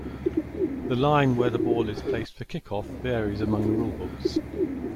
The line where the ball is placed for kickoff varies among the rule books.